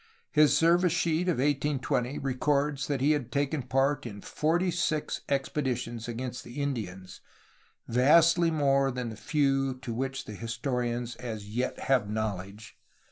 His service sheet of 1820 records that he had taken part in forty six expeditions against the Indians, — ^vastly more than the few of which the historians as yet have knowledge.